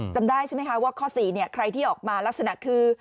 จำได้ใช่ไหมคะว่าข้อ๔ใครที่ออกมาลักษณะคือ